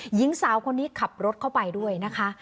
หญิงสาวคนนี้ขับรถเข้าไปด้วยนะคะ